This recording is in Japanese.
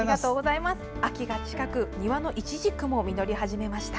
秋が近く、庭のイチジクも実り始めました。